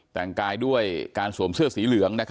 แต่งกายด้วยการสวมเสื้อสีเหลือง